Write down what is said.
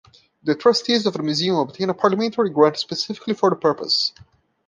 The trustees of the museum obtained a parliamentary grant specifically for the purpose.